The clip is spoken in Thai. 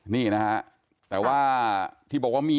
นี่นะฮะแต่ว่าที่บอกว่ามี